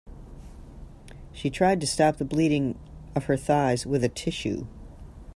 She tried to stop the bleeding of her thighs with a tissue.